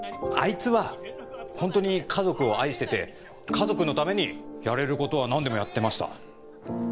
あいつはホントに家族を愛してて家族のためにやれることは何でもやってました。